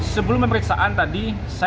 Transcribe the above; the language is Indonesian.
sebelum pemeriksaan tadi saya sedang